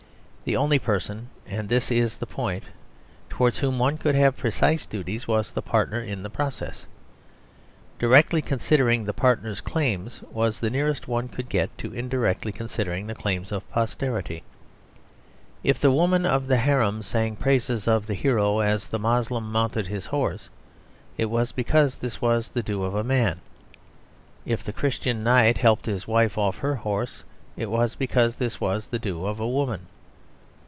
The only person (and this is the point) towards whom one could have precise duties was the partner in the process. Directly considering the partner's claims was the nearest one could get to indirectly considering the claims of posterity. If the women of the harem sang praises of the hero as the Moslem mounted his horse, it was because this was the due of a man; if the Christian knight helped his wife off her horse, it was because this was the due of a woman.